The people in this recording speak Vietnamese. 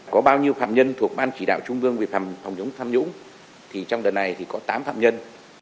có bao nhiêu phạm nhân thuộc ban chỉ đạo trung ương về phòng chống tham nhũng thì trong đợt này thì có tám phạm nhân